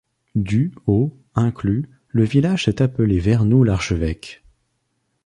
Du au inclus, le village s’est appelé Vernou l’Archevêque.